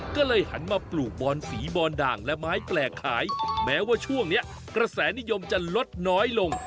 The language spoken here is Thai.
ก็เลยหันมาปลูกบอนสีบอนด่างและไม้แปลกขายแม้ว่าช่วงนี้กระแสนิยมจะลดน้อยลง